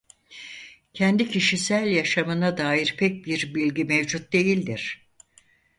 Kendi kişisel yaşamına dair pek bir bilgi mevcut değildir.